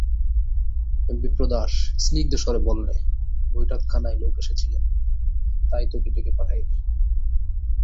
বিপ্রদাস স্নিগ্ধস্বরে বললে, বৈঠকখানায় লোক এসেছিল, তাই তোকে ডেকে পাঠাই নি।